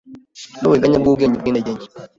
nuburiganya bwubwenge bwintege nke